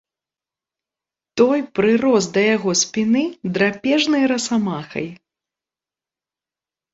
Той прырос да яго спіны драпежнай расамахай.